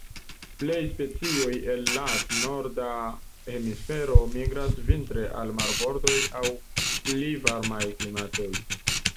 Plej specioj el lat norda hemisfero migras vintre al marbordoj aŭ pli varmaj klimatoj.